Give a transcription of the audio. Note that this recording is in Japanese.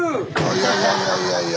いやいやいやいやいや。